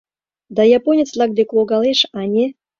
— Да японец-влак дек логалеш, ане?